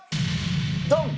ドン！